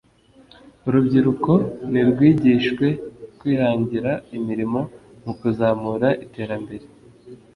Urubyiruko nirwigishwe kwihangira imirimo mu kuzamura iterambere